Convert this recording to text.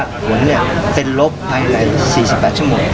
ผลเป็นลบภายใน๔๘ชั่วโมง